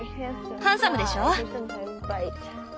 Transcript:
ハンサムでしょう？